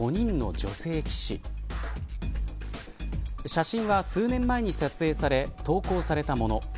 写真は数年前に撮影され投稿されたもの。